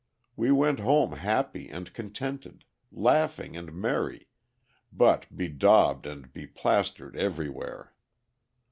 We went home happy and contented, laughing and merry, but bedaubed and beplastered everywhere.